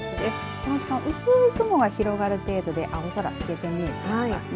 この時間、薄い雲が広がる程度で青空がすけて見えてますね。